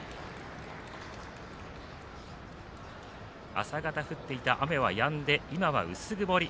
朝方降っていた雨はやんで今は薄曇り。